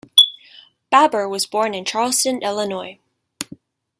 Baber was born in Charleston, Illinois.